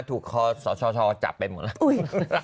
ถูกคอสชจับไปหมดเลย